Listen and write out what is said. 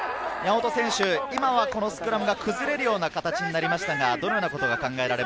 このスクラムが崩れるような形になりました。